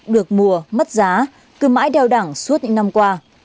được mùa mất giá cứ mãi đeo đẳng suốt những năm qua